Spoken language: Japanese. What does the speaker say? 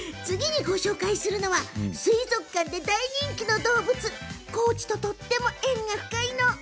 次に、ご紹介するのは水族館で大人気の動物高知ととっても縁が深いの。